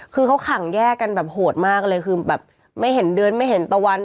คือเขาขังแยกกันแบบโหดมากเลยคือแบบไม่เห็นเดือนไม่เห็นตะวัน